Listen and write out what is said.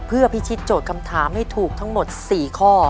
เพื่อพิชิตโจทย์คำถามให้ถูกทั้งหมด๔ข้อ